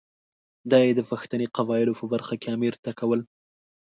دا یې د پښتني قبایلو په برخه کې امیر ته کول.